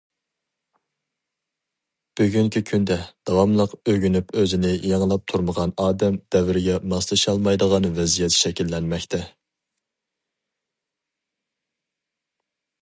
بۈگۈنكى كۈندە، داۋاملىق ئۆگىنىپ ئۆزىنى يېڭىلاپ تۇرمىغان ئادەم دەۋرگە ماسلىشالمايدىغان ۋەزىيەت شەكىللەنمەكتە.